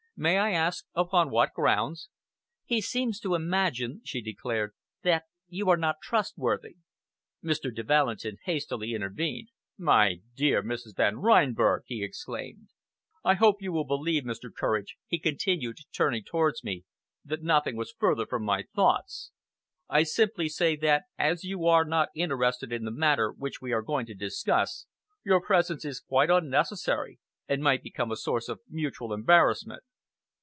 "May I ask upon what grounds?" "He seems to imagine," she declared, "that you are not trustworthy." Mr. de Valentin hastily intervened. "My dear Mrs. Van Reinberg!" he exclaimed. "I hope you will believe, Mr. Courage," he continued, turning towards me, "that nothing was further from my thoughts. I simply say that as you are not interested in the matter which we are going to discuss, your presence is quite unnecessary, and might become a source of mutual embarrassment."